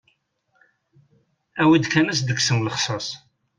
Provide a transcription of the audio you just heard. Awi-d kan as-d-kksen lixsas.